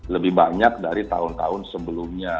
lebih banyak dari tahun tahun sebelumnya